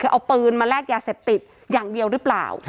คือเอาปืนมาแลกยาเสพติดอย่างเดียวหรือเปล่า